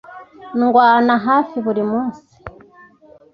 Ndwana hafi buri munsi.